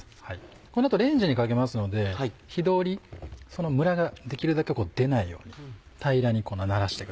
この後レンジにかけますので火通りムラができるだけ出ないように平らにならしてください。